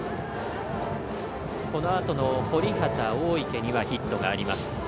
このあとの堀畑、大池にはヒットがあります。